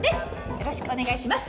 よろしくお願いします。